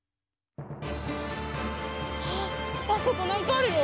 あっあそこなんかあるよ！